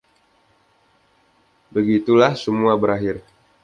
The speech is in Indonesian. Begitulah, semua berakhir.